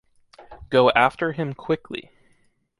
Go after him quickly.